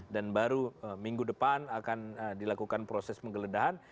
dan baru minggu depan akan dilakukan proses penggeledahan